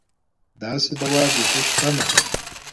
داسې دوا بېخي شته نه.